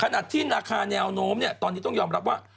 ขนาดที่ราคาแนวโน้มตอนนี้ต้องยอมรับว่า